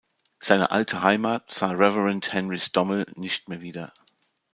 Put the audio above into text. Seine alte Heimat sah Reverend Henry Stommel nicht mehr wieder.